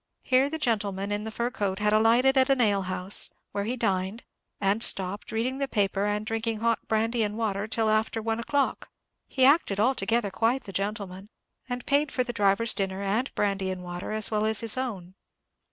Here the gentleman in the fur coat had alighted at an ale house, where he dined, and stopped, reading the paper and drinking hot brandy and water till after one o'clock. He acted altogether quite the gentleman, and paid for the driver's dinner and brandy and water, as well as his own.